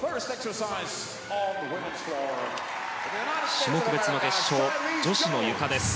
種目別決勝女子ゆかです。